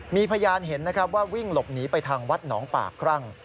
มีพยานเห็นนะครับว่าวิ่งหลบหนีไปทางวัดหนองปากครั่ง